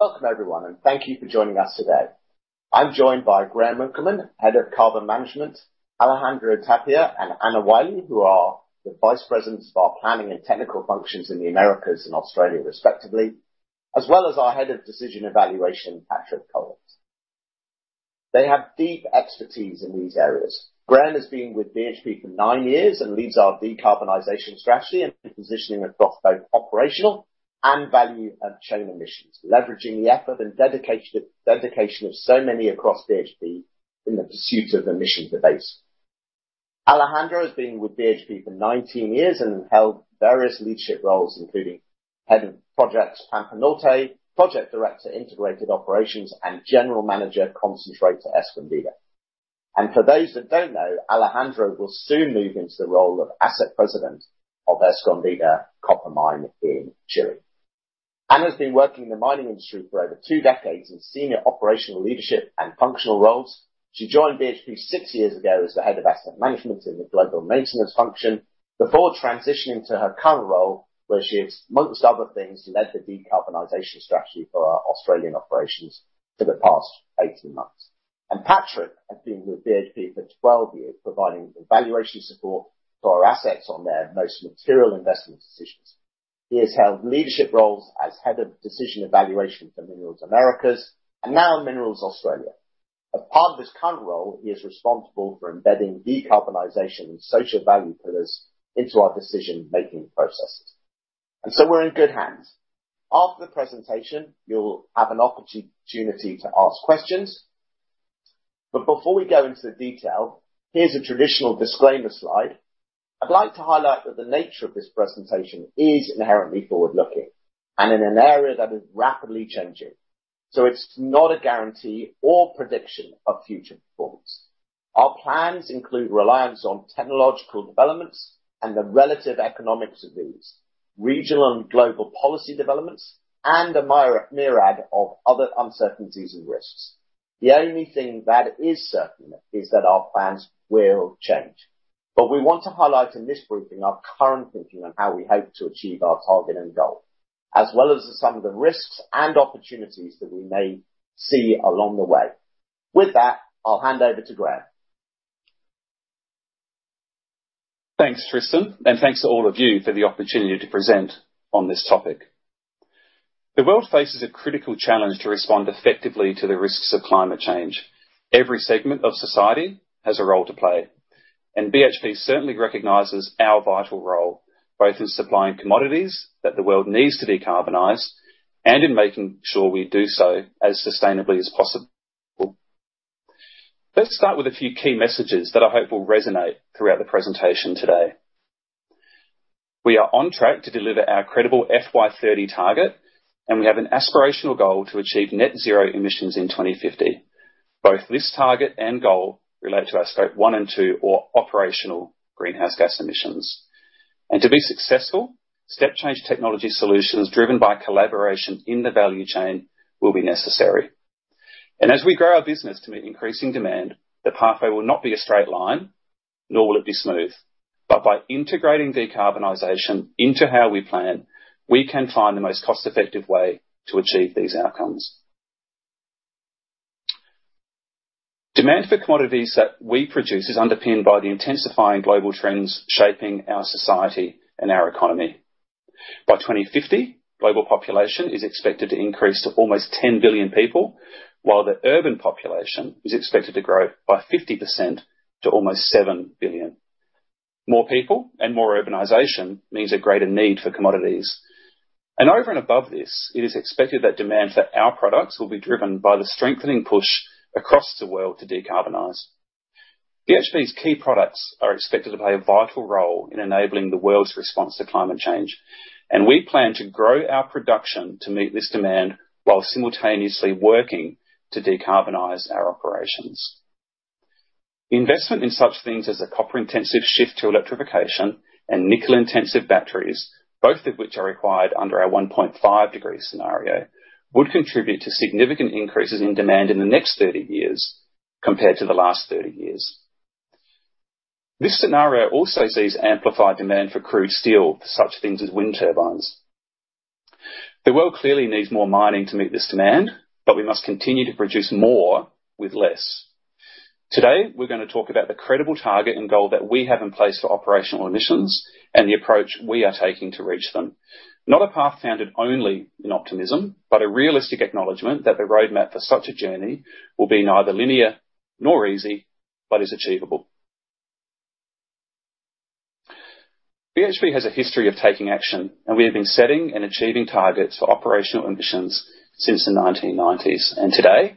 Welcome, everyone, and thank you for joining us today. I'm joined by Graham Winkelman, Head of Carbon Management, Alejandro Tapia and Anna Wiley, who are the vice presidents of our planning and technical functions in the Americas and Australia, respectively, as well as our Head of Decision Evaluation, Patrick Collins. They have deep expertise in these areas. Graham has been with BHP for nine years and leads our decarbonization strategy and positioning across both operational and value add chain emissions, leveraging the effort and dedication of so many across BHP in the pursuit of emission debates. Alejandro has been with BHP for 19 years and held various leadership roles, including Head of Projects, Pampa Norte, Project Director, Integrated Operations, and General Manager, Concentrate Escondida. For those that don't know, Alejandro will soon move into the role of Asset President of Escondida Copper Mine in Chile. Anna has been working in the mining industry for over two decades in senior operational leadership and functional roles. She joined BHP six years ago as the Head of Asset Management in the global maintenance function before transitioning to her current role, where she has, amongst other things, led the decarbonization strategy for our Australian operations for the past 18 months. Patrick has been with BHP for 12 years, providing evaluation support to our assets on their most material investment decisions. He has held leadership roles as Head of Decision Evaluation for Minerals Americas and now Minerals Australia. As part of his current role, he is responsible for embedding decarbonization and social value pillars into our decision-making processes. So we're in good hands. After the presentation, you'll have an opportunity to ask questions. Before we go into the detail, here's a traditional disclaimer slide. I'd like to highlight that the nature of this presentation is inherently forward-looking and in an area that is rapidly changing, so it's not a guarantee or prediction of future performance. Our plans include reliance on technological developments and the relative economics of these, regional and global policy developments, and a myriad of other uncertainties and risks. The only thing that is certain is that our plans will change. We want to highlight in this briefing our current thinking on how we hope to achieve our target and goal, as well as some of the risks and opportunities that we may see along the way. With that, I'll hand over to Graham. Thanks, Tristan, thanks to all of you for the opportunity to present on this topic. The world faces a critical challenge to respond effectively to the risks of climate change. Every segment of society has a role to play, and BHP certainly recognizes our vital role, both in supplying commodities that the world needs to decarbonize and in making sure we do so as sustainably as possible. Let's start with a few key messages that I hope will resonate throughout the presentation today. We are on track to deliver our credible FY 2030 target, and we have an aspirational goal to achieve net zero emissions in 2050. Both this target and goal relate to our Scope 1 and 2 or operational greenhouse gas emissions. To be successful, step change technology solutions driven by collaboration in the value chain will be necessary. As we grow our business to meet increasing demand, the pathway will not be a straight line, nor will it be smooth. By integrating decarbonization into how we plan, we can find the most cost-effective way to achieve these outcomes. Demand for commodities that we produce is underpinned by the intensifying global trends shaping our society and our economy. By 2050, global population is expected to increase to almost 10 billion people, while the urban population is expected to grow by 50% to almost 7 billion. More people and more urbanization means a greater need for commodities. Over and above this, it is expected that demand for our products will be driven by the strengthening push across the world to decarbonize. BHP's key products are expected to play a vital role in enabling the world's response to climate change. We plan to grow our production to meet this demand while simultaneously working to decarbonize our operations. Investment in such things as a copper-intensive shift to electrification and nickel-intensive batteries, both of which are required under our 1.5 degree scenario, would contribute to significant increases in demand in the next 30 years compared to the last 30 years. This scenario also sees amplified demand for crude steel for such things as wind turbines. The world clearly needs more mining to meet this demand. We must continue to produce more with less. Today, we're gonna talk about the credible target and goal that we have in place for operational emissions and the approach we are taking to reach them. Not a path founded only in optimism, but a realistic acknowledgement that the roadmap for such a journey will be neither linear nor easy, but is achievable. BHP has a history of taking action, and we have been setting and achieving targets for operational emissions since the 1990s. Today,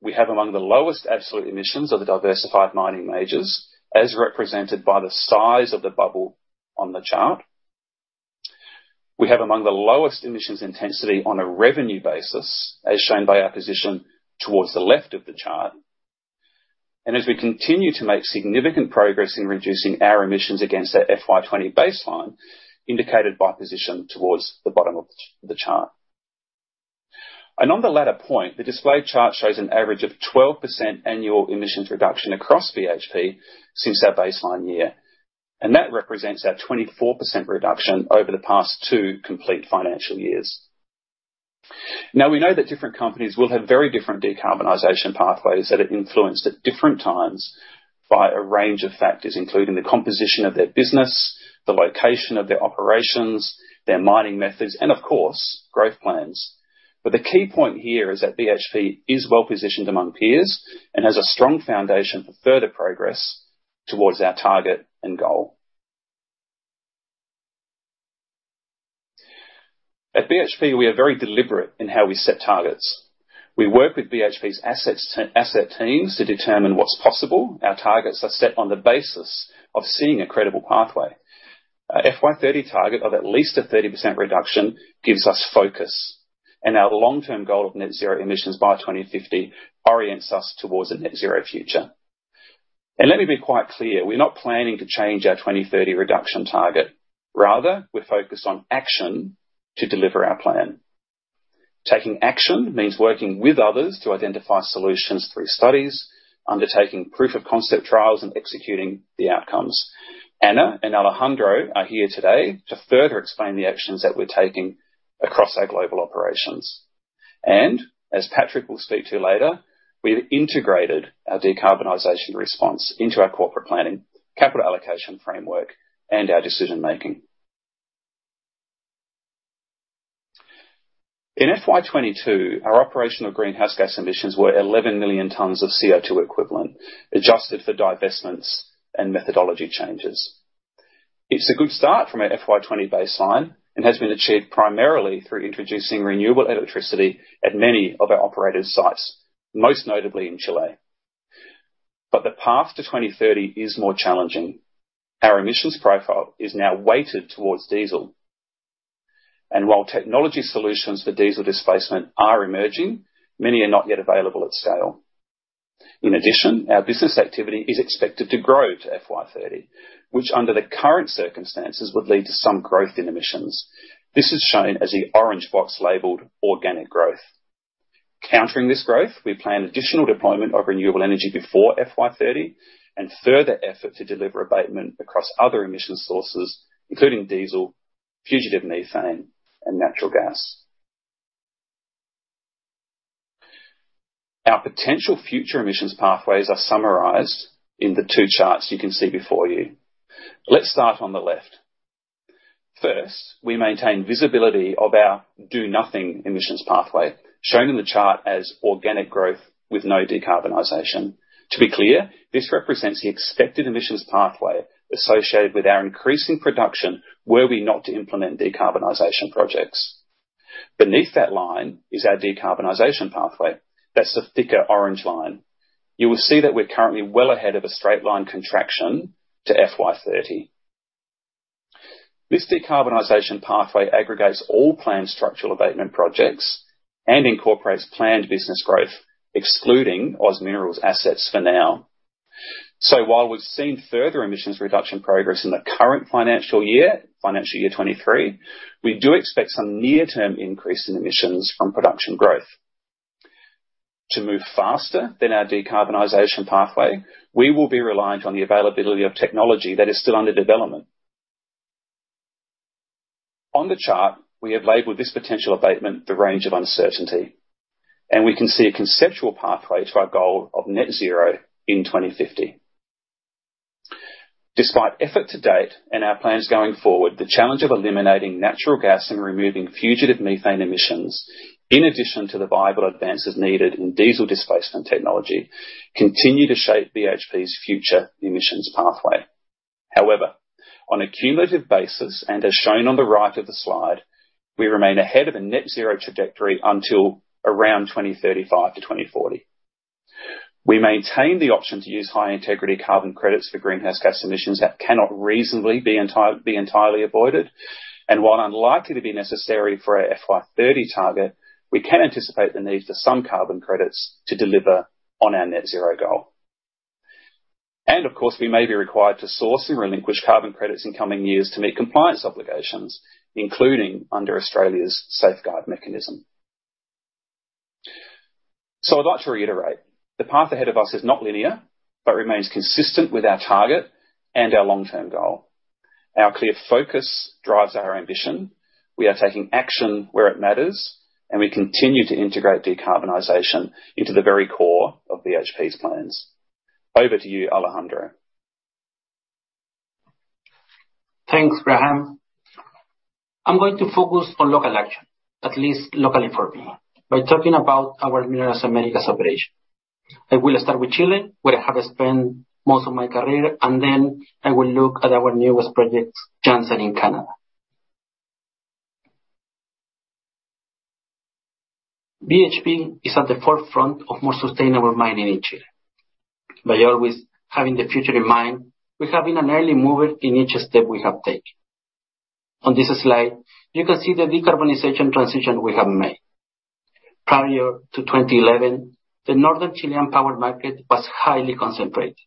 we have among the lowest absolute emissions of the diversified mining majors, as represented by the size of the bubble on the chart. We have among the lowest emissions intensity on a revenue basis, as shown by our position towards the left of the chart, and as we continue to make significant progress in reducing our emissions against our FY 2020 baseline, indicated by position towards the bottom of the chart. On the latter point, the display chart shows an average of 12% annual emissions reduction across BHP since our baseline year. That represents our 24% reduction over the past 2 complete financial years. We know that different companies will have very different decarbonization pathways that are influenced at different times by a range of factors, including the composition of their business, the location of their operations, their mining methods, and of course, growth plans. The key point here is that BHP is well-positioned among peers and has a strong foundation for further progress towards our target and goal. At BHP, we are very deliberate in how we set targets. We work with BHP's asset teams to determine what's possible. Our targets are set on the basis of seeing a credible pathway. Our FY 2030 target of at least a 30% reduction gives us focus, and our long-term goal of net zero emissions by 2050 orients us towards a net zero future. Let me be quite clear, we're not planning to change our 2030 reduction target. Rather, we're focused on action to deliver our plan. Taking action means working with others to identify solutions through studies, undertaking proof of concept trials, and executing the outcomes. Anna and Alejandro are here today to further explain the actions that we're taking across our global operations. As Patrick will speak to later, we've integrated our decarbonization response into our corporate planning, capital allocation framework, and our decision making. In FY 2022, our operational greenhouse gas emissions were 11 million tons of CO2 equivalent, adjusted for divestments and methodology changes. It's a good start from our FY 2020 baseline and has been achieved primarily through introducing renewable electricity at many of our operators' sites, most notably in Chile. The path to 2030 is more challenging. Our emissions profile is now weighted towards diesel, and while technology solutions for diesel displacement are emerging, many are not yet available at scale. In addition, our business activity is expected to grow to FY 2030, which under the current circumstances, would lead to some growth in emissions. This is shown as the orange box labeled, 'organic growth.' Countering this growth, we plan additional deployment of renewable energy before FY 2030 and further effort to deliver abatement across other emission sources, including diesel, fugitive methane, and natural gas. Our potential future emissions pathways are summarized in the two charts you can see before you. Let's start on the left. First, we maintain visibility of our do-nothing emissions pathway, shown in the chart as organic growth with no decarbonization. To be clear, this represents the expected emissions pathway associated with our increasing production, were we not to implement decarbonization projects. Beneath that line is our decarbonization pathway. That's the thicker orange line. You will see that we're currently well ahead of a straight line contraction to FY 2030. This decarbonization pathway aggregates all planned structural abatement projects and incorporates planned business growth, excluding OZ Minerals assets for now. While we've seen further emissions reduction progress in the current financial year, FY 2023, we do expect some near-term increase in emissions from production growth. To move faster than our decarbonization pathway, we will be reliant on the availability of technology that is still under development. On the chart, we have labeled this potential abatement the range of uncertainty, and we can see a conceptual pathway to our goal of net zero in 2050. Despite effort to date and our plans going forward, the challenge of eliminating natural gas and removing fugitive methane emissions, in addition to the viable advances needed in diesel displacement technology, continue to shape BHP's future emissions pathway. On a cumulative basis, and as shown on the right of the slide, we remain ahead of a net zero trajectory until around 2035-2040. We maintain the option to use high-integrity carbon credits for greenhouse gas emissions that cannot reasonably be entirely avoided. While unlikely to be necessary for our FY 2030 target, we can anticipate the need for some carbon credits to deliver on our net zero goal. Of course, we may be required to source and relinquish carbon credits in coming years to meet compliance obligations, including under Australia's Safeguard Mechanism. I'd like to reiterate, the path ahead of us is not linear, but remains consistent with our target and our long-term goal. Our clear focus drives our ambition. We are taking action where it matters, and we continue to integrate decarbonization into the very core of BHP's plans. Over to you, Alejandro. Thanks, Graham. I'm going to focus on local action, at least locally for me, by talking about our Minerals Americas operation. I will start with Chile, where I have spent most of my career. Then I will look at our newest project, Jansen, in Canada. BHP is at the forefront of more sustainable mining in Chile. By always having the future in mind, we have been an early mover in each step we have taken. On this slide, you can see the decarbonization transition we have made. Prior to 2011, the northern Chilean power market was highly concentrated.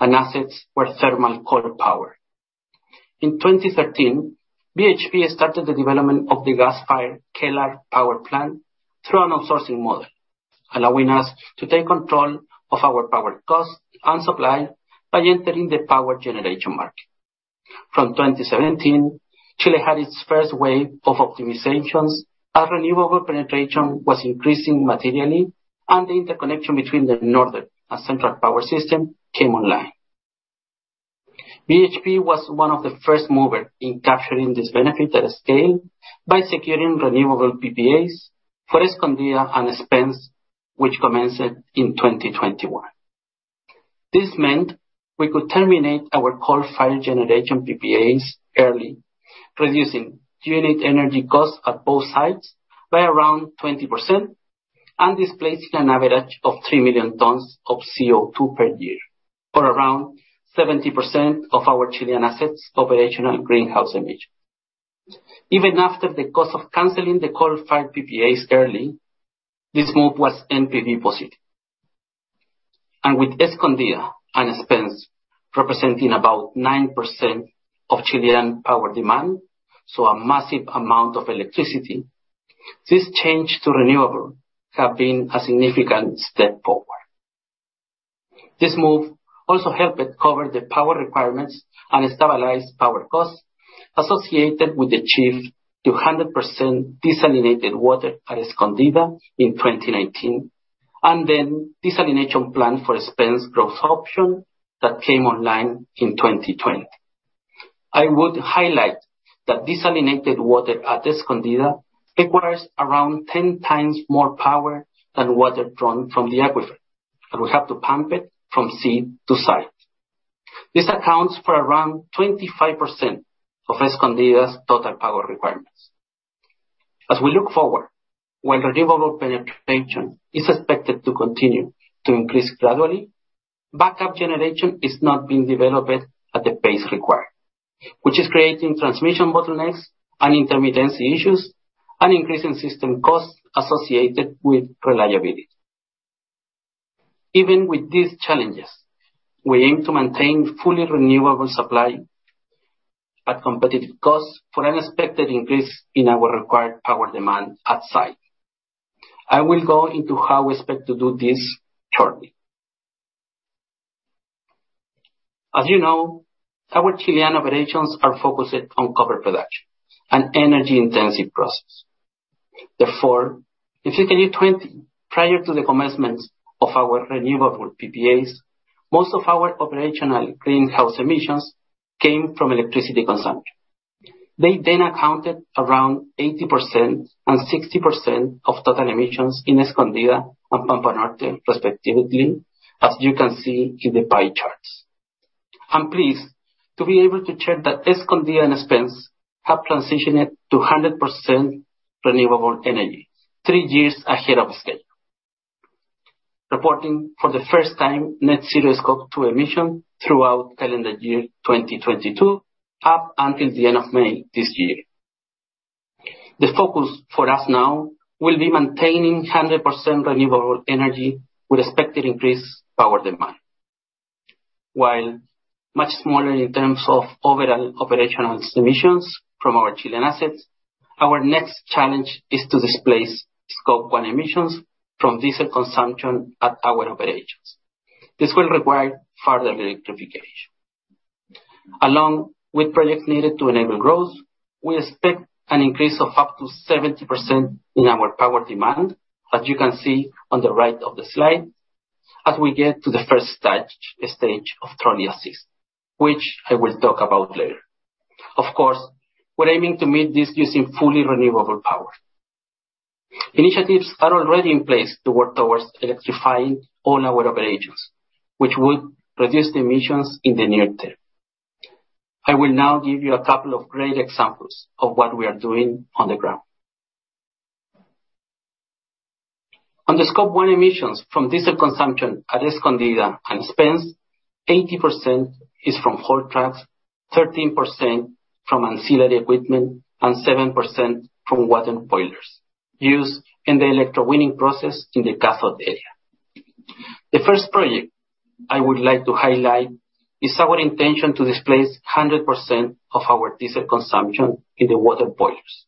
Assets were thermal coal power. In 2013, BHP started the development of the gas-fired Quellaveco power plant through an outsourcing model, allowing us to take control of our power cost and supply by entering the power generation market. From 2017, Chile had its first wave of optimizations, as renewable penetration was increasing materially, and the interconnection between the northern and central power system came online. BHP was one of the first mover in capturing this benefit at a scale by securing renewable PPAs for Escondida and Spence, which commenced in 2021. This meant we could terminate our coal-fired generation PPAs early, reducing unit energy costs at both sites by around 20%, and displacing an average of 3 million tons of CO2 per year, or around 70% of our Chilean assets' operational greenhouse emission. Even after the cost of canceling the coal-fired PPAs early, this move was NPV positive. With Escondida and Spence representing about 9% of Chilean power demand, so a massive amount of electricity, this change to renewable have been a significant step forward. This move also helped cover the power requirements and stabilize power costs associated with the shift to 100% desalinated water at Escondida in 2019, and then desalination plant for Spence growth option that came online in 2020. I would highlight that desalinated water at Escondida requires around 10 times more power than water drawn from the aquifer, and we have to pump it from sea to site. This accounts for around 25% of Escondida's total power requirements. As we look forward, while renewable penetration is expected to continue to increase gradually, backup generation is not being developed at the pace required, which is creating transmission bottlenecks and intermittency issues, and increasing system costs associated with reliability. Even with these challenges, we aim to maintain fully renewable supply at competitive costs for an expected increase in our required power demand at site. I will go into how we expect to do this shortly. As you know, our Chilean operations are focused on copper production, an energy-intensive process. In FY 2020, prior to the commencement of our renewable PPAs, most of our operational greenhouse emissions came from electricity consumption. They accounted around 80% and 60% of total emissions in Escondida and Pampa Norte, respectively, as you can see in the pie charts. I'm pleased to be able to check that Escondida and Spence have transitioned to 100% renewable energy three years ahead of schedule, reporting for the first time net zero Scope 2 emission throughout calendar year 2022, up until the end of May this year. The focus for us now will be maintaining 100% renewable energy with expected increased power demand. While much smaller in terms of overall operational emissions from our Chilean assets, our next challenge is to displace Scope 1 emissions from diesel consumption at our operations. This will require further electrification. Along with projects needed to enable growth, we expect an increase of up to 70% in our power demand, as you can see on the right of the slide, as we get to the first stage of Trolley Assist, which I will talk about later. Of course, we're aiming to meet this using fully renewable power. Initiatives are already in place to work towards electrifying all our operations, which will reduce emissions in the near term. I will now give you a couple of great examples of what we are doing on the ground. On the Scope 1 emissions from diesel consumption at Escondida and Spence, 80% is from haul trucks, 13% from ancillary equipment, and 7% from water boilers used in the electrowinning process in the cathode area. The first project I would like to highlight is our intention to displace 100% of our diesel consumption in the water boilers.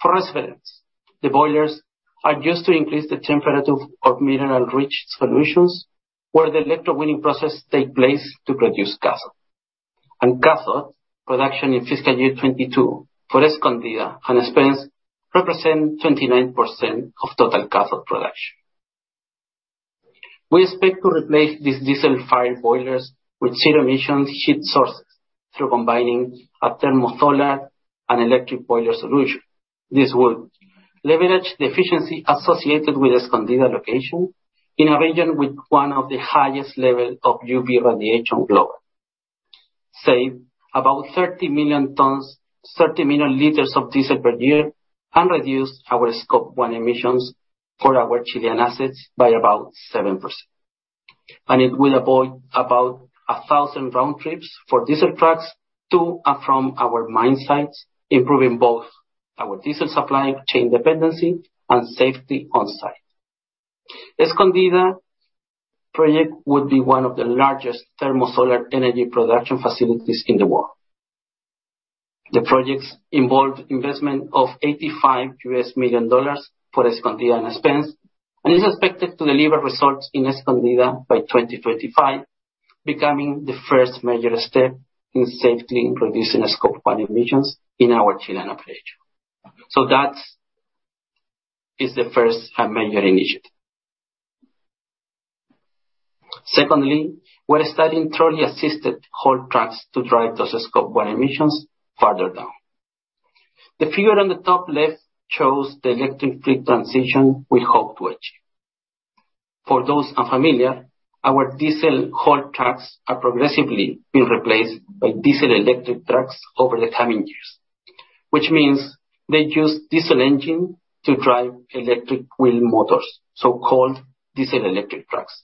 For reference, the boilers are used to increase the temperature of mineral-rich solutions, where the electrowinning process takes place to produce cathode. Cathode production in FY 2022 for Escondida and Spence represent 29% of total cathode production. We expect to replace these diesel-fired boilers with zero-emission heat sources through combining a thermo-solar and electric boiler solution. This would leverage the efficiency associated with Escondida location in a region with one of the highest level of UV radiation globally, save about 30 million tons, 30 million liters of diesel per year, and reduce our Scope 1 emissions for our Chilean assets by about 7%. It will avoid about 1,000 round trips for diesel trucks to and from our mine sites, improving both our diesel supply chain dependency and safety on site. Escondida project would be one of the largest thermo-solar energy production facilities in the world. The projects involve investment of $85 million for Escondida and Spence, and is expected to deliver results in Escondida by 2035, becoming the first major step in safely reducing Scope 1 emissions in our Chile operation. That's is the first major initiative. Secondly, we're studying trolley-assisted haul trucks to drive those Scope 1 emissions farther down. The figure on the top left shows the electric fleet transition we hope to achieve. For those unfamiliar, our diesel haul trucks are progressively being replaced by diesel-electric trucks over the coming years, which means they use diesel engine to drive electric wheel motors, so-called diesel-electric trucks.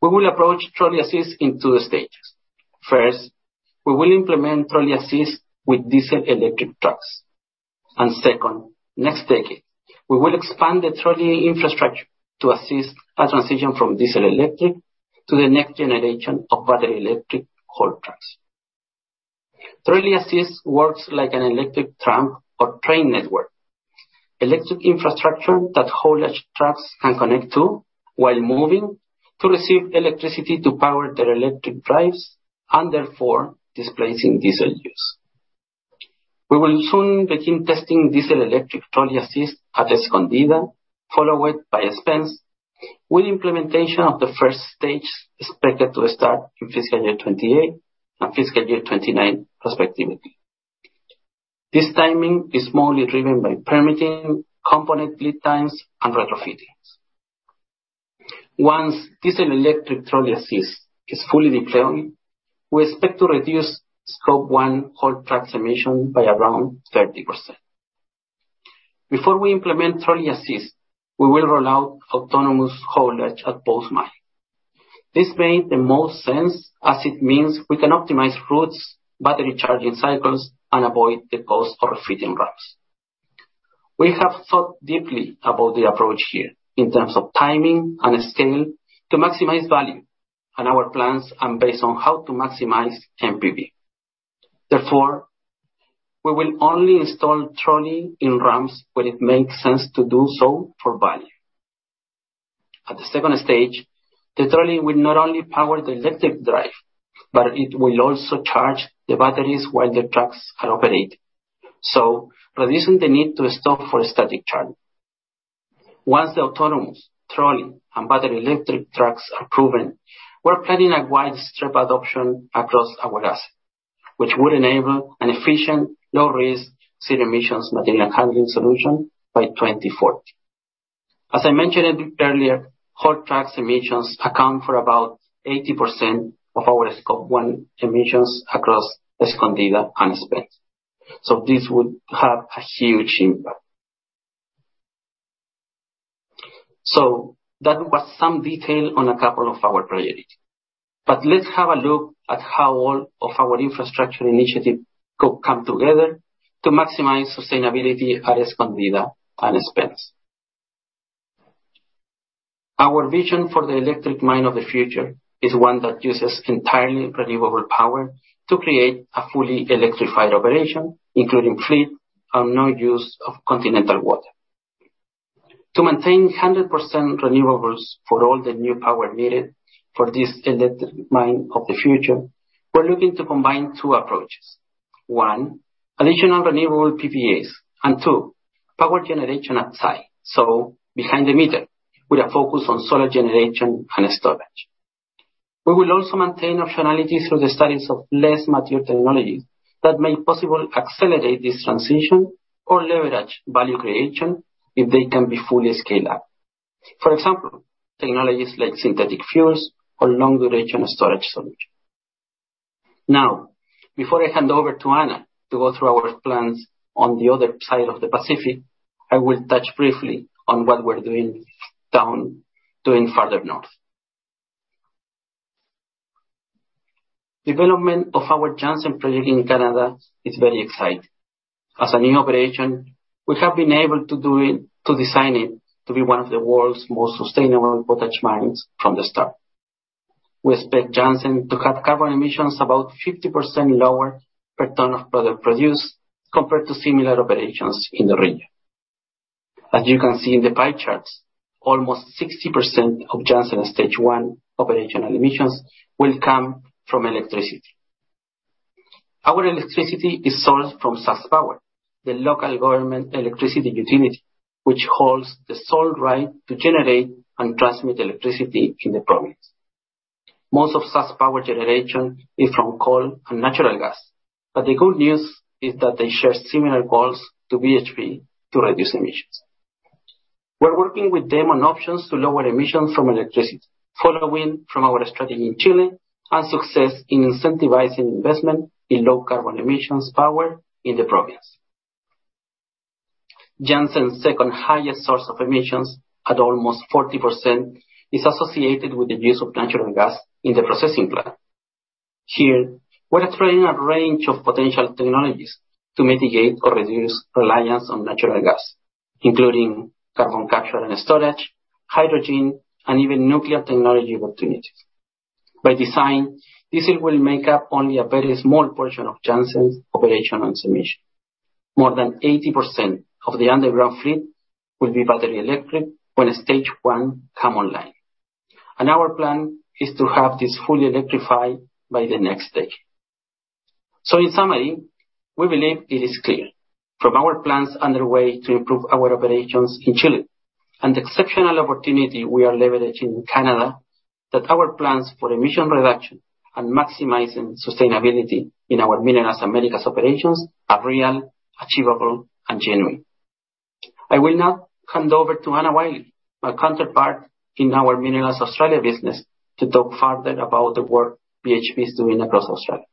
We will approach trolley assist in two stages. First, we will implement trolley assist with diesel-electric trucks. Second, next decade, we will expand the trolley infrastructure to assist a transition from diesel-electric to the next generation of battery-electric haul trucks. Trolley assist works like an electric tram or train network. Electric infrastructure that haulage trucks can connect to while moving, to receive electricity to power their electric drives, and therefore displacing diesel use. We will soon begin testing diesel-electric trolley assist at Escondida, followed by Spence, with implementation of the first stage expected to start in fiscal year 2028 and fiscal year 2029, respectively. This timing is mostly driven by permitting, component lead times, and retrofitting. Once diesel-electric trolley assist is fully deployed, we expect to reduce Scope 1 haul trucks emission by around 30%. Before we implement trolley assist, we will roll out autonomous haulage at both mine. This made the most sense, as it means we can optimize routes, battery charging cycles, and avoid the cost of refitting trucks. We have thought deeply about the approach here, in terms of timing and scale, to maximize value, and our plans are based on how to maximize NPV. Therefore, we will only install trolley in ramps when it makes sense to do so for value. At the second stage, the trolley will not only power the electric drive, but it will also charge the batteries while the trucks are operating, reducing the need to stop for a static charge. Once the autonomous trolley and battery electric trucks are proven, we're planning a wide strip adoption across our asset, which would enable an efficient, low-risk, zero-emissions material handling solution by 2040. As I mentioned a bit earlier, haul trucks emissions account for about 80% of our Scope 1 emissions across Escondida and Spence. This would have a huge impact. That was some detail on a couple of our priorities. Let's have a look at how all of our infrastructure initiatives come together to maximize sustainability at Escondida and Spence. Our vision for the electric mine of the future is one that uses entirely renewable power to create a fully electrified operation, including fleet and no use of continental water. To maintain 100% renewables for all the new power needed for this electric mine of the future, we're looking to combine two approaches. One, additional renewable PPAs, and two, power generation at site. Behind the meter, with a focus on solar generation and storage. We will also maintain optionality through the studies of less mature technologies that may possibly accelerate this transition or leverage value creation if they can be fully scaled up. For example, technologies like synthetic fuels or long-duration storage solution. Before I hand over to Anna to go through our plans on the other side of the Pacific, I will touch briefly on what we're doing farther north. Development of our Jansen project in Canada is very exciting. As a new operation, we have been able to do it, to design it, to be one of the world's most sustainable potash mines from the start. We expect Jansen to have carbon emissions about 50% lower per ton of product produced, compared to similar operations in the region. As you can see in the pie charts, almost 60% of Jansen Stage 1 operational emissions will come from electricity. Our electricity is sourced from SaskPower, the local government electricity utility, which holds the sole right to generate and transmit electricity in the province. Most of SaskPower generation is from coal and natural gas, but the good news is that they share similar goals to BHP to reduce emissions. We're working with them on options to lower emissions from electricity, following from our strategy in Chile and success in incentivizing investment in low carbon emissions power in the province. Jansen's second highest source of emissions, at almost 40%, is associated with the use of natural gas in the processing plant. Here, we're exploring a range of potential technologies to mitigate or reduce reliance on natural gas, including carbon capture and storage, hydrogen, and even nuclear technology opportunities. By design, this will make up only a very small portion of Jansen's operation and emission. More than 80% of the underground fleet will be battery-electric when Stage 1 come online, and our plan is to have this fully electrified by the next stage. In summary, we believe it is clear from our plans underway to improve our operations in Chile and the exceptional opportunity we are leveraging in Canada, that our plans for emission reduction and maximizing sustainability in our Minerals Americas operations are real, achievable, and genuine. I will now hand over to Anna Wiley, my counterpart in our Minerals Australia business, to talk further about the work BHP is doing across Australia.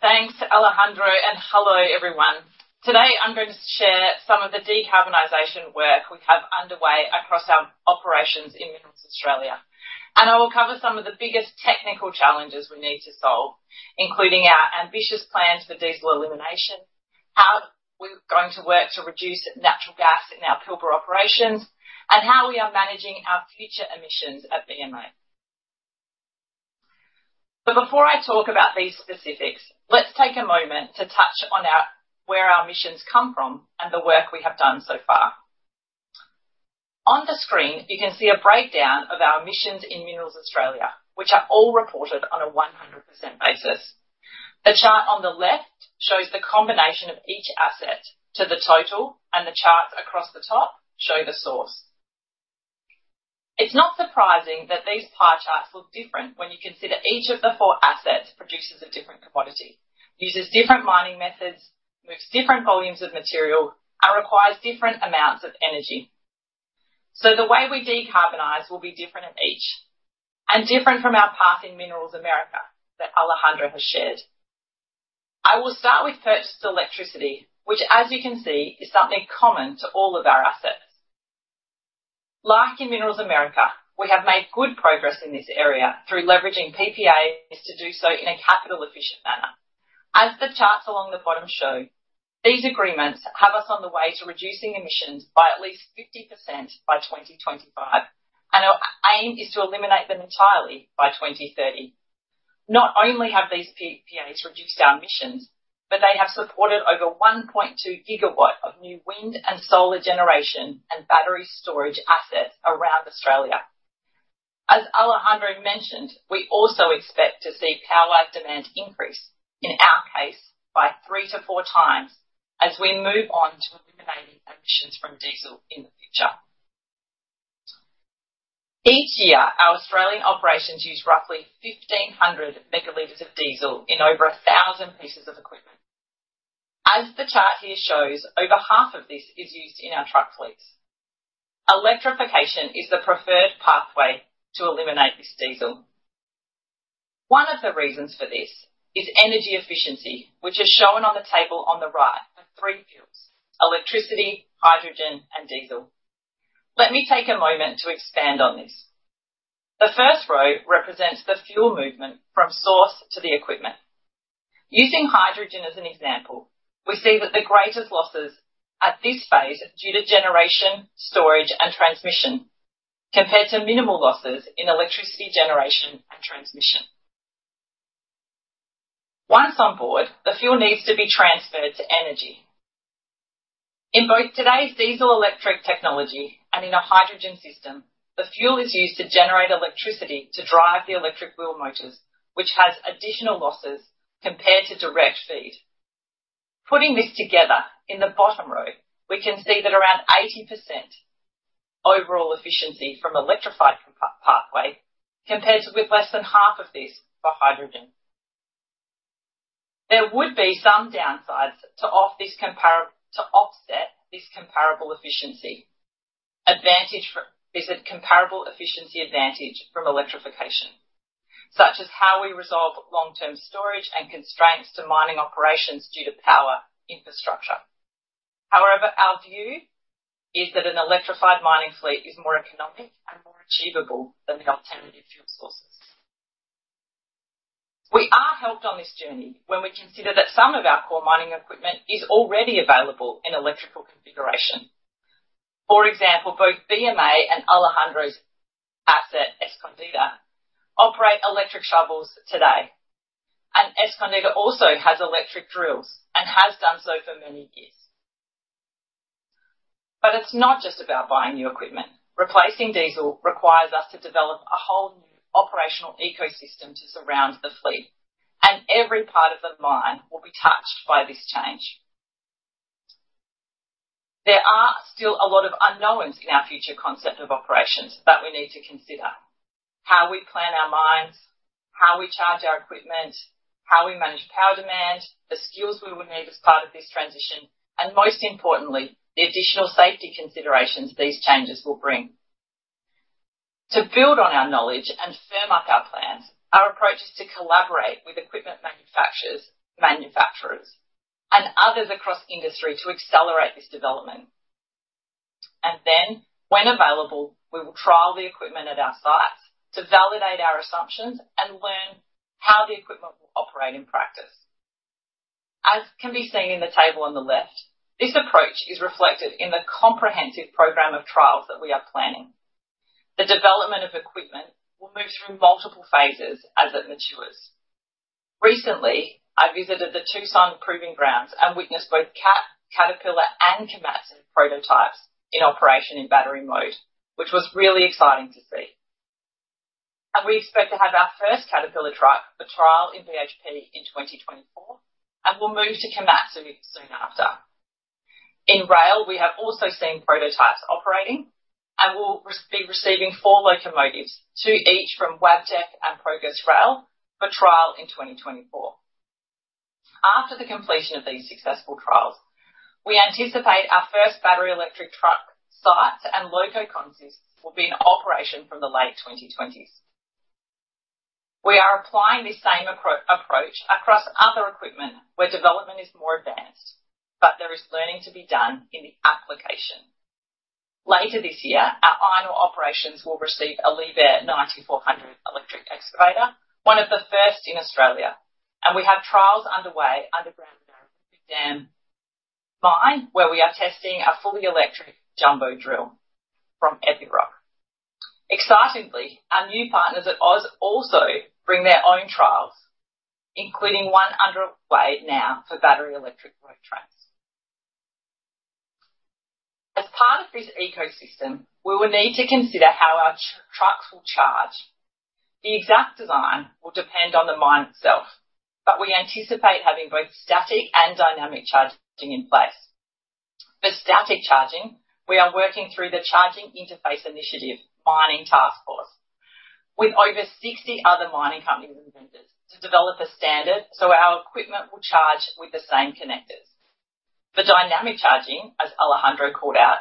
Thanks, Alejandro, and hello, everyone. Today, I'm going to share some of the decarbonization work we have underway across our operations in Minerals Australia. I will cover some of the biggest technical challenges we need to solve, including our ambitious plans for diesel elimination, how we're going to work to reduce natural gas in our Pilbara operations, and how we are managing our future emissions at BMA. Before I talk about these specifics, let's take a moment to touch on where our emissions come from and the work we have done so far. On the screen, you can see a breakdown of our emissions in Minerals Australia, which are all reported on a 100% basis. The chart on the left shows the combination of each asset to the total. The charts across the top show the source. It's not surprising that these pie charts look different when you consider each of the four assets produces a different commodity, uses different mining methods, moves different volumes of material, and requires different amounts of energy. The way we decarbonize will be different in each, and different from our path in Minerals Americas that Alejandro has shared. I will start with purchased electricity, which, as you can see, is something common to all of our assets. Like in Minerals Americas, we have made good progress in this area through leveraging PPAs to do so in a capital-efficient manner. As the charts along the bottom show, these agreements have us on the way to reducing emissions by at least 50% by 2025, and our aim is to eliminate them entirely by 2030. Not only have these PPAs reduced our emissions, but they have supported over 1.2 GW of new wind and solar generation and battery storage assets around Australia. As Alejandro mentioned, we also expect to see power demand increase, in our case, by 3-4 times as we move on to eliminating emissions from diesel in the future. Each year, our Australian operations use roughly 1,500 megaliters of diesel in over 1,000 pieces of equipment. As the chart here shows, over half of this is used in our truck fleets. Electrification is the preferred pathway to eliminate this diesel. One of the reasons for this is energy efficiency, which is shown on the table on the right in 3 fields: electricity, hydrogen, and diesel. Let me take a moment to expand on this. The first row represents the fuel movement from source to the equipment. Using hydrogen as an example, we see that the greatest losses at this phase are due to generation, storage, and transmission, compared to minimal losses in electricity generation and transmission. Once on board, the fuel needs to be transferred to energy. In both today's diesel-electric technology and in a hydrogen system, the fuel is used to generate electricity to drive the electric wheel motors, which has additional losses compared to direct feed. Putting this together, in the bottom row, we can see that around 80% overall efficiency from electrified pathway, compared with less than half of this for hydrogen. There would be some downsides to offset this comparable efficiency advantage for, is a comparable efficiency advantage from electrification, such as how we resolve long-term storage and constraints to mining operations due to power infrastructure. However, our view is that an electrified mining fleet is more economic and more achievable than the alternative fuel sources. We are helped on this journey when we consider that some of our core mining equipment is already available in electrical configuration. For example, both BMA and Alejandro's asset, Escondida, operate electric shovels today, and Escondida also has electric drills and has done so for many years. It's not just about buying new equipment. Replacing diesel requires us to develop a whole new operational ecosystem to surround the fleet, and every part of the mine will be touched by this change. There are still a lot of unknowns in our future concept of operations that we need to consider: how we plan our mines, how we charge our equipment, how we manage power demand, the skills we will need as part of this transition, and most importantly, the additional safety considerations these changes will bring. To build on our knowledge and firm up our plans, our approach is to collaborate with equipment manufacturers and others across industry to accelerate this development. When available, we will trial the equipment at our sites to validate our assumptions and learn how the equipment will operate in practice. As can be seen in the table on the left, this approach is reflected in the comprehensive program of trials that we are planning. The development of equipment will move through multiple phases as it matures. Recently, I visited the Tucson Proving Grounds and witnessed both Cat, Caterpillar, and Komatsu prototypes in operation in battery mode, which was really exciting to see. We expect to have our first Caterpillar truck for trial in BHP in 2024, and we'll move to Komatsu soon after. In rail, we have also seen prototypes operating. We'll be receiving four locomotives, two each from Wabtec and Progress Rail, for trial in 2024. After the completion of these successful trials, we anticipate our first battery-electric truck sites and loco consists will be in operation from the late 2020s. We are applying the same approach across other equipment where development is more advanced, but there is learning to be done in the application. Later this year, our iron ore operations will receive a Liebherr R 9400 E electric excavator, one of the first in Australia. We have trials underway underground in the Olympic Dam Mine, where we are testing our fully electric jumbo drill from Epiroc. Excitingly, our new partners at Oz also bring their own trials, including one underway now for battery-electric road trains. As part of this ecosystem, we will need to consider how our trucks will charge. The exact design will depend on the mine itself, but we anticipate having both static and dynamic charging in place. For static charging, we are working through the CharIN Mining Taskforce with over 60 other mining companies and vendors to develop a standard, so our equipment will charge with the same connectors. For dynamic charging, as Alejandro called out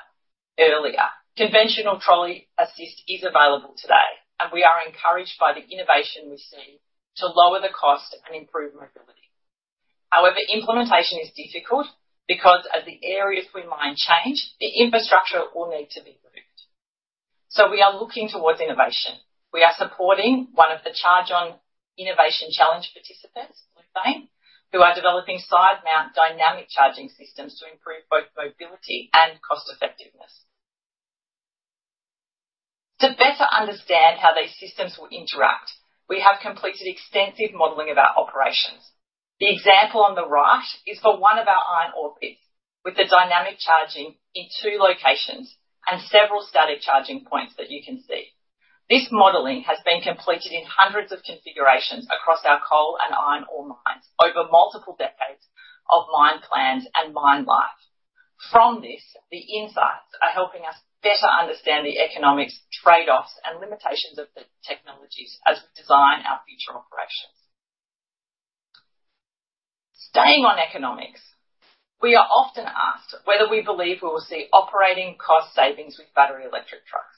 earlier, conventional trolley assist is available today, and we are encouraged by the innovation we've seen to lower the cost and improve mobility. However, implementation is difficult because as the areas we mine change, the infrastructure will need to be moved. We are looking towards innovation. We are supporting one of the Charge On Innovation Challenge participants, BluVein, who are developing side-mount dynamic charging systems to improve both mobility and cost effectiveness. To better understand how these systems will interact, we have completed extensive modeling of our operations. The example on the right is for one of our iron ore pits, with the dynamic charging in two locations and several static charging points that you can see. This modeling has been completed in hundreds of configurations across our coal and iron ore mines over multiple decades of mine plans and mine life. From this, the insights are helping us better understand the economics, trade-offs, and limitations of the technologies as we design our future operations. Staying on economics, we are often asked whether we believe we will see operating cost savings with battery electric trucks.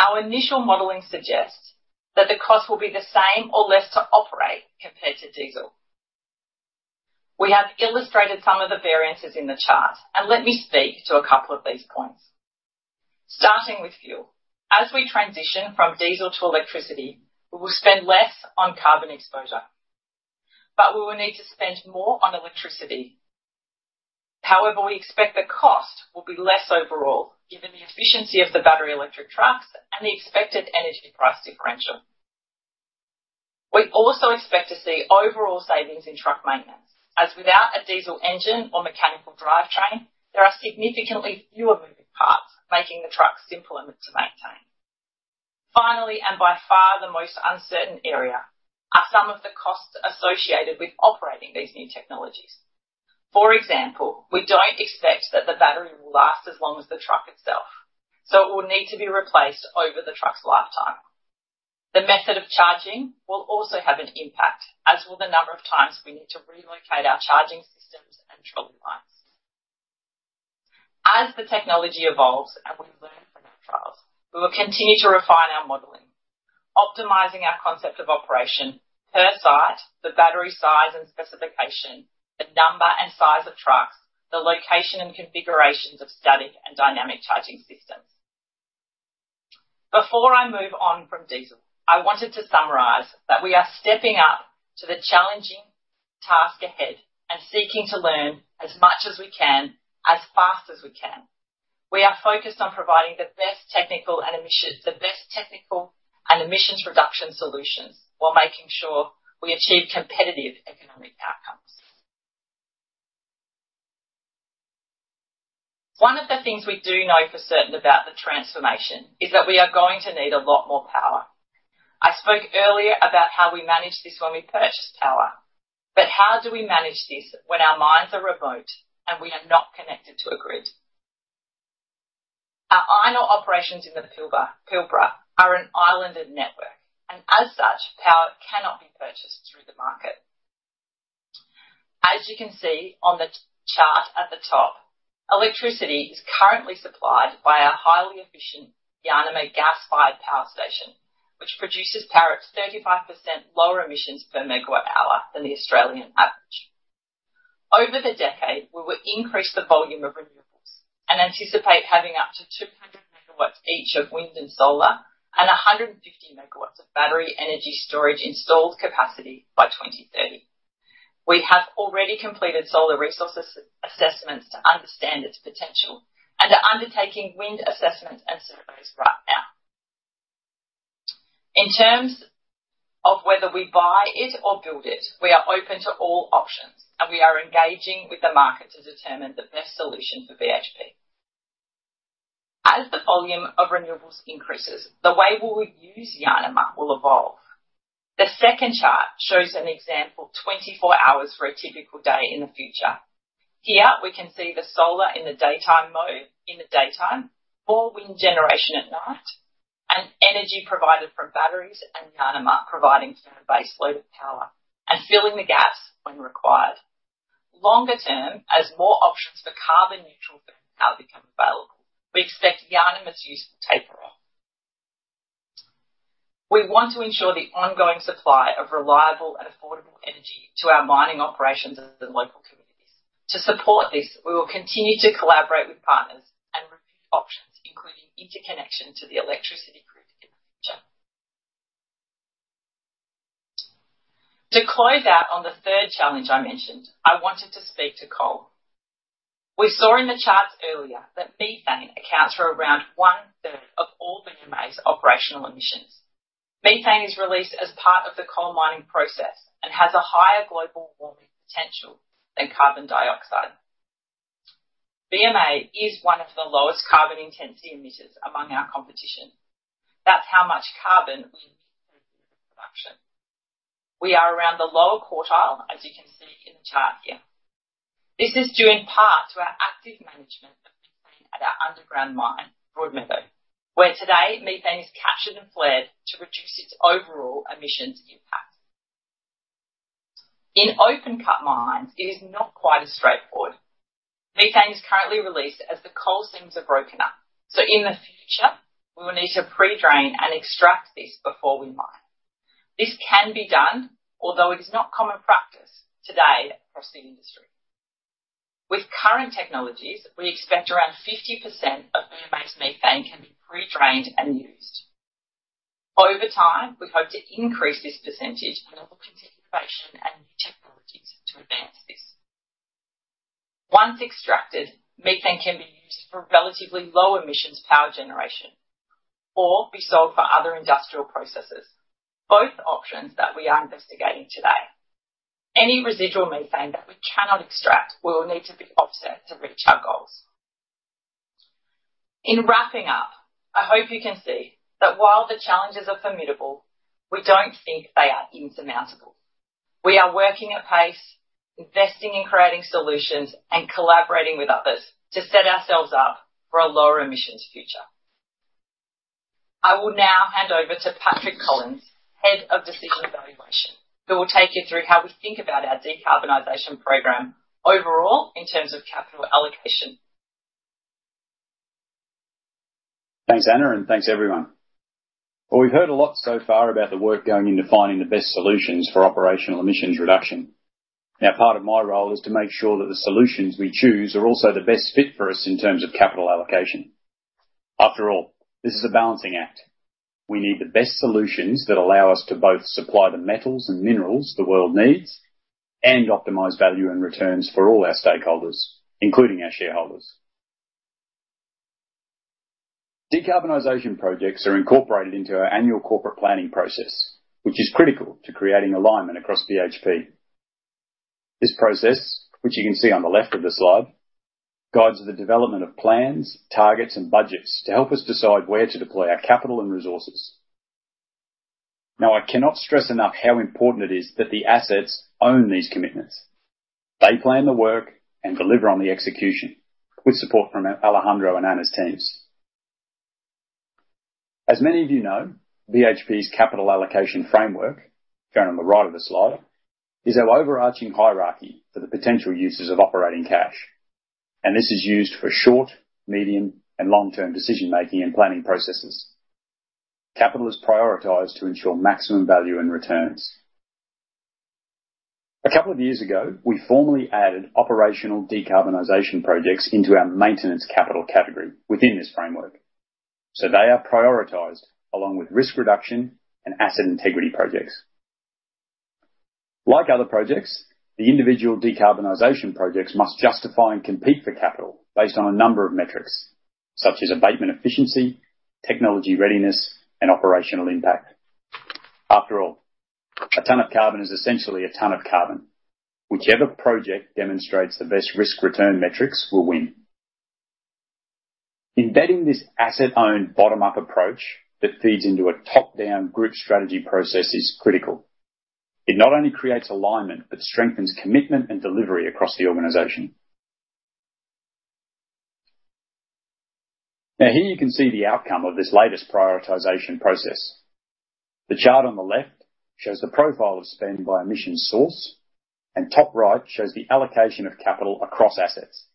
Our initial modeling suggests that the cost will be the same or less to operate compared to diesel. We have illustrated some of the variances in the chart, and let me speak to a couple of these points. Starting with fuel. As we transition from diesel to electricity, we will spend less on carbon exposure, but we will need to spend more on electricity. We expect the cost will be less overall, given the efficiency of the battery electric trucks and the expected energy price differential. We also expect to see overall savings in truck maintenance, as without a diesel engine or mechanical drivetrain, there are significantly fewer moving parts, making the trucks simpler to maintain. By far the most uncertain area, are some of the costs associated with operating these new technologies. For example, we don't expect that the battery will last as long as the truck itself, so it will need to be replaced over the truck's lifetime. The method of charging will also have an impact, as will the number of times we need to relocate our charging systems and trolley lines. As the technology evolves and we learn from our trials, we will continue to refine our modeling, optimizing our concept of operation per site, the battery size and specification, the number and size of trucks, the location and configurations of static and dynamic charging systems. Before I move on from diesel, I wanted to summarize that we are stepping up to the challenging task ahead and seeking to learn as much as we can, as fast as we can. We are focused on providing the best technical and emissions reduction solutions while making sure we achieve competitive economic outcomes. One of the things we do know for certain about the transformation is that we are going to need a lot more power. I spoke earlier about how we manage this when we purchase power, how do we manage this when our mines are remote and we are not connected to a grid? Our iron ore operations in the Pilbara are an islanded network, and as such, power cannot be purchased through the market. As you can see on the T-chart at the top, electricity is currently supplied by our highly efficient Yarnima gas-fired power station, which produces power at 35% lower emissions per MWh than the Australian average. Over the decade, we will increase the volume of renewables and anticipate having up to 200 MW each of wind and solar, and 150 MW of battery energy storage installed capacity by 2030. We have already completed solar resources assessments to understand its potential, and are undertaking wind assessments and surveys right now. In terms of whether we buy it or build it, we are open to all options, and we are engaging with the market to determine the best solution for BHP. As the volume of renewables increases, the way we will use Yarnima will evolve. The second chart shows an example, 24 hours for a typical day in the future. Here, we can see the solar in the daytime mode, in the daytime, more wind generation at night, and energy provided from batteries and Yarnima providing to the base load of power and filling the gaps when required. Longer term, as more options for carbon neutral power become available, we expect Yarnima's use to taper off. We want to ensure the ongoing supply of reliable and affordable energy to our mining operations and the local communities. To support this, we will continue to collaborate with partners and review options, including interconnection to the electricity grid in the future. To close out on the third challenge I mentioned, I wanted to speak to coal. We saw in the charts earlier that methane accounts for around one-third of all BMA's operational emissions. Methane is released as part of the coal mining process and has a higher global warming potential than carbon dioxide. BMA is one of the lowest carbon intensity emitters among our competition. That's how much carbon we produce in production. We are around the lower quartile, as you can see in the chart here. This is due in part to our active management of methane at our underground mine, Broadmeadow, where today, methane is captured and flared to reduce its overall emissions impact. In open-cut mines, it is not quite as straightforward. Methane is currently released as the coal seams are broken up. In the future, we will need to pre-drain and extract this before we mine. This can be done, although it is not common practice today across the industry. With current technologies, we expect around 50% of BMA's methane can be pre-drained and used. Over time, we hope to increase this percentage, and we will continue innovation and new technologies to advance this. Once extracted, methane can be used for relatively low emissions power generation or be sold for other industrial processes, both options that we are investigating today. Any residual methane that we cannot extract will need to be offset to reach our goals. In wrapping up, I hope you can see that while the challenges are formidable, we don't think they are insurmountable. We are working at pace, investing in creating solutions, and collaborating with others to set ourselves up for a lower emissions future. I will now hand over to Patrick Collins, Head of Decision Evaluation, who will take you through how we think about our decarbonization program overall in terms of capital allocation. Thanks, Anna. Thanks, everyone. Well, we've heard a lot so far about the work going into finding the best solutions for operational emissions reduction. Part of my role is to make sure that the solutions we choose are also the best fit for us in terms of capital allocation. After all, this is a balancing act. We need the best solutions that allow us to both supply the metals and minerals the world needs and optimize value and returns for all our stakeholders, including our shareholders. Decarbonization projects are incorporated into our annual corporate planning process, which is critical to creating alignment across BHP. This process, which you can see on the left of the slide, guides the development of plans, targets, and budgets to help us decide where to deploy our capital and resources. Now, I cannot stress enough how important it is that the assets own these commitments. They plan the work and deliver on the execution with support from Alejandro and Anna's teams. As many of you know, BHP's capital allocation framework, shown on the right of the slide, is our overarching hierarchy for the potential uses of operating cash, and this is used for short, medium, and long-term decision-making and planning processes. Capital is prioritized to ensure maximum value and returns. A couple of years ago, we formally added operational decarbonization projects into our maintenance capital category within this framework, so they are prioritized along with risk reduction and asset integrity projects. Like other projects, the individual decarbonization projects must justify and compete for capital based on a number of metrics, such as abatement efficiency, technology readiness, and operational impact. After all, a ton of carbon is essentially a ton of carbon. Whichever project demonstrates the best risk-return metrics will win. Embedding this asset-owned, bottom-up approach that feeds into a top-down group strategy process is critical. It not only creates alignment, but strengthens commitment and delivery across the organization. Here you can see the outcome of this latest prioritization process. The chart on the left shows the profile of spending by emission source, top right shows the allocation of capital across assets.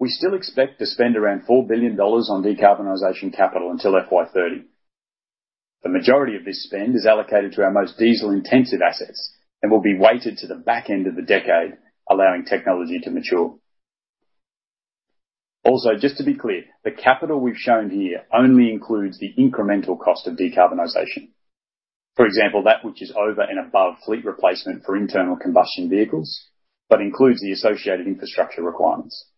We still expect to spend around $4 billion on decarbonization capital until FY 2030. The majority of this spend is allocated to our most diesel-intensive assets and will be weighted to the back end of the decade, allowing technology to mature. Just to be clear, the capital we've shown here only includes the incremental cost of decarbonization. For example, that which is over and above fleet replacement for internal combustion vehicles, but includes the associated infrastructure requirements.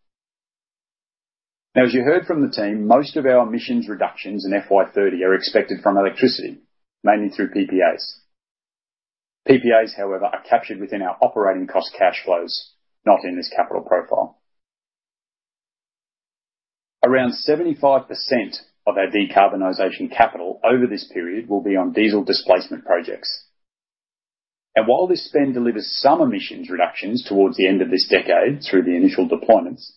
Now, as you heard from the team, most of our emissions reductions in FY 2030 are expected from electricity, mainly through PPAs. PPAs, however, are captured within our operating cost cash flows, not in this capital profile. Around 75% of our decarbonization capital over this period will be on diesel displacement projects. While this spend delivers some emissions reductions towards the end of this decade through the initial deployments,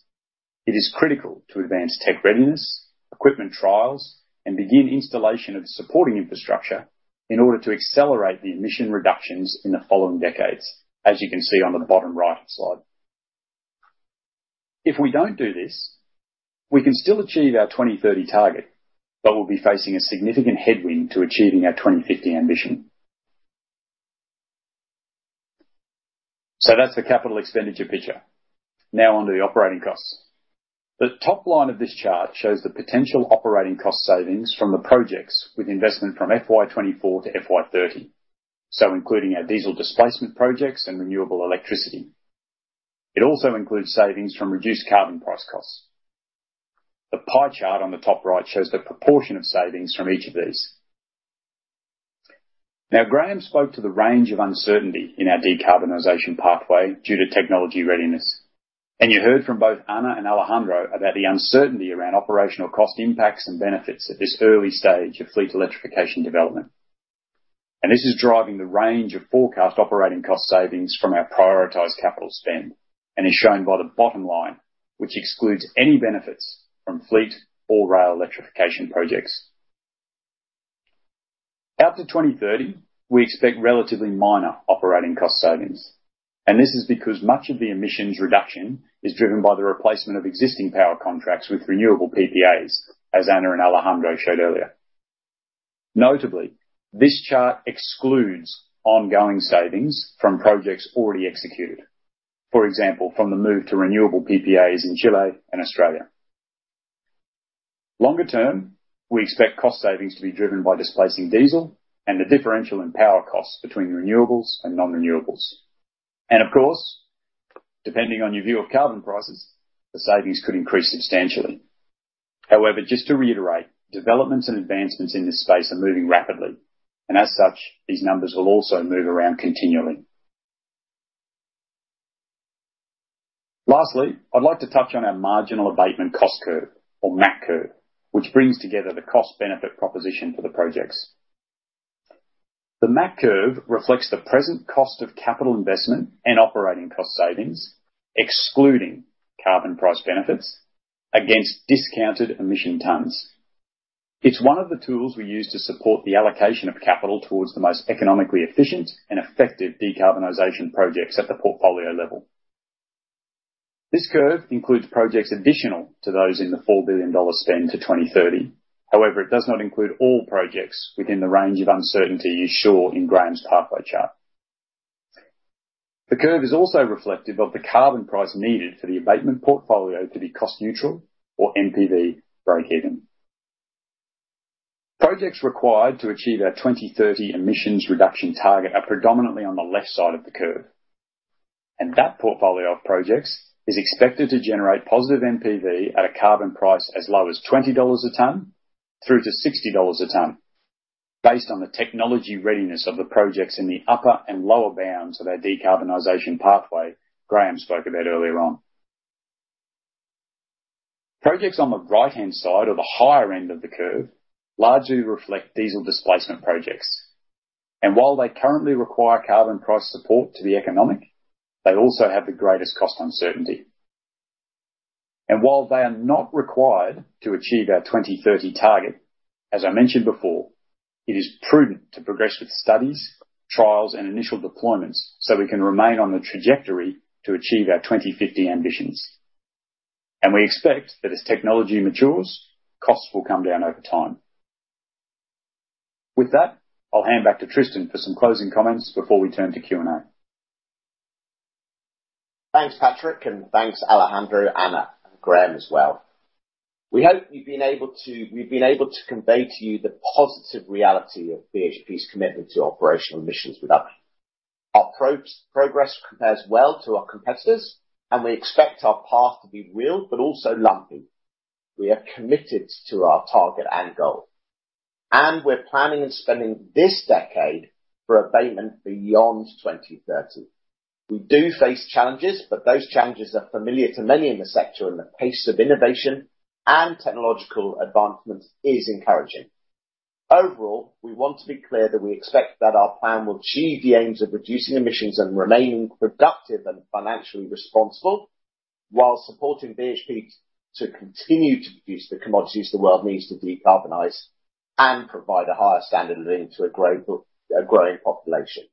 it is critical to advance tech readiness, equipment trials, and begin installation of the supporting infrastructure in order to accelerate the emission reductions in the following decades, as you can see on the bottom right slide. We don't do this, we can still achieve our 2030 target, but we'll be facing a significant headwind to achieving our 2050 ambition. That's the capital expenditure picture. On to the operating costs. The top line of this chart shows the potential operating cost savings from the projects, with investment from FY 2024-FY 2030, including our diesel displacement projects and renewable electricity. It also includes savings from reduced carbon price costs. The pie chart on the top right shows the proportion of savings from each of these. Graham spoke to the range of uncertainty in our decarbonization pathway due to technology readiness, and you heard from both Anna and Alejandro about the uncertainty around operational cost impacts and benefits at this early stage of fleet electrification development. This is driving the range of forecast operating cost savings from our prioritized capital spend and is shown by the bottom line, which excludes any benefits from fleet or rail electrification projects. Out to 2030, we expect relatively minor operating cost savings, and this is because much of the emissions reduction is driven by the replacement of existing power contracts with renewable PPAs, as Anna and Alejandro showed earlier. Notably, this chart excludes ongoing savings from projects already executed, for example, from the move to renewable PPAs in Chile and Australia. Longer term, we expect cost savings to be driven by displacing diesel and the differential in power costs between renewables and non-renewables. Of course, depending on your view of carbon prices, the savings could increase substantially. Just to reiterate, developments and advancements in this space are moving rapidly, and as such, these numbers will also move around continually. Lastly, I'd like to touch on our marginal abatement cost curve, or MAC curve, which brings together the cost benefit proposition for the projects. The MAC curve reflects the present cost of capital investment and operating cost savings, excluding carbon price benefits against discounted emission tons. It's one of the tools we use to support the allocation of capital towards the most economically efficient and effective decarbonization projects at the portfolio level. This curve includes projects additional to those in the $4 billion spend to 2030. It does not include all projects within the range of uncertainty you saw in Graham's pathway chart. The curve is also reflective of the carbon price needed for the abatement portfolio to be cost neutral or NPV breakeven. Projects required to achieve our 2030 emissions reduction target are predominantly on the left side of the curve. That portfolio of projects is expected to generate positive NPV at a carbon price as low as $20 a ton through to $60 a ton, based on the technology readiness of the projects in the upper and lower bounds of our decarbonization pathway Graham spoke about earlier on. Projects on the right-hand side or the higher end of the curve, largely reflect diesel displacement projects. While they currently require carbon price support to be economic, they also have the greatest cost uncertainty. While they are not required to achieve our 2030 target, as I mentioned before, it is prudent to progress with studies, trials, and initial deployments so we can remain on the trajectory to achieve our 2050 ambitions. We expect that as technology matures, costs will come down over time. With that, I'll hand back to Tristan for some closing comments before we turn to Q&A. Thanks, Patrick, and thanks, Alejandro, Anna, and Graham as well. We hope we've been able to convey to you the positive reality of BHP's commitment to operational emissions reduction. Our progress compares well to our competitors, and we expect our path to be real, but also lumpy. We are committed to our target and goal, and we're planning on spending this decade for abatement beyond 2030. We do face challenges, but those challenges are familiar to many in the sector, and the pace of innovation and technological advancement is encouraging. Overall, we want to be clear that we expect that our plan will achieve the aims of reducing emissions and remaining productive and financially responsible, while supporting BHP to continue to produce the commodities the world needs to decarbonize and provide a higher standard of living to a growing population.